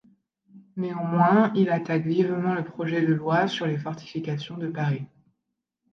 Néanmoins, il attaque vivement le projet de loi sur les fortifications de Paris.